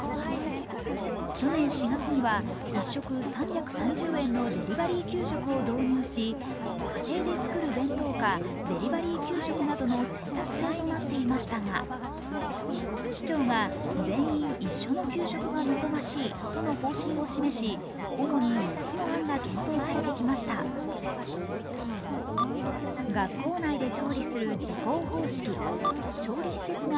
去年４月には１食３３０円のデリバリー給食を導入し家庭で作る弁当かデリバリー給食などの選択制となっていましたが、市長が、全員一緒の給食が望ましいとの方針を示し主に４つの案が検討されてきましたなどの一本化です。